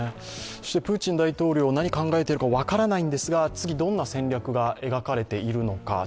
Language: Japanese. プーチン大統領、何を考えているか分からないんですが、次どんな戦略が描かれているのか。